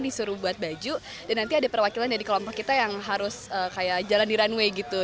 disuruh buat baju dan nanti ada perwakilan dari kelompok kita yang harus kayak jalan di runway gitu